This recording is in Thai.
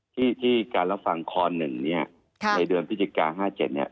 ที่การรับฟังค๑ในเดือนฤษจิกายน๕๗